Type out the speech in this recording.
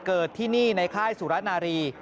เกิดที่นี่ในค่ายสุรนารี